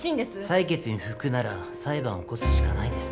裁決に不服なら裁判を起こすしかないです。